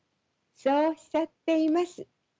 そうおっしゃっています。